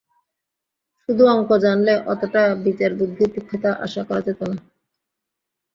শুধু অঙ্ক জানলে অতটা বিচারবুদ্ধির তীক্ষ্ণতা আশা করা যেত না।